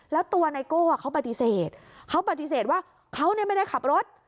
แล้วตัวไนโก้เขาปฏิเสธเขาปฏิเสธว่าเขาเนี่ยไม่ได้ขับรถ